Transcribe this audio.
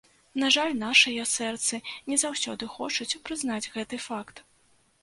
На жаль, нашыя сэрцы не заўсёды хочуць прызнаць гэты факт.